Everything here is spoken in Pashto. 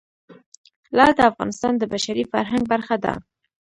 لعل د افغانستان د بشري فرهنګ برخه ده.